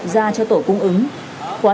ra cho tổ cung ứng khóa